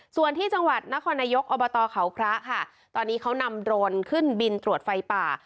ส่วนที่จังหวัดนครนายกอบตเขาพระค่ะตอนนี้เขานำโรนขึ้นบินตรวจไฟป่า